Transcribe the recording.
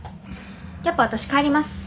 やっぱ私帰ります。